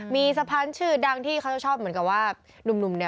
มีสะพานชื่อดังที่เขาชอบเหมือนกันว่าหนูบหรือเหลือ